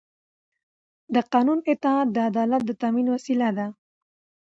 د قانون اطاعت د عدالت د تأمین وسیله ده